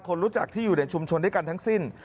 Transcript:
คนรู้จักที่อยู่ในชุมชนด้วยกันทั้งสิ้น